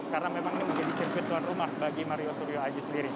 karena memang ini menjadi sirkuit tuan rumah bagi mario suryo aji sendiri